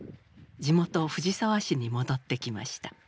地元藤沢市に戻ってきました。